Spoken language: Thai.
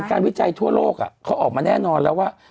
วิจัยทั่วโลกเขาออกมาแน่นอนแล้วว่า